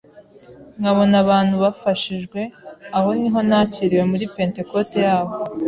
nkabona abantu bafashijwe, aho niho nakiriwe muri Pentecote y’aho,